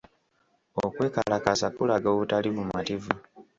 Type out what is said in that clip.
Okwekalakaasa kulaga obutali bumativu.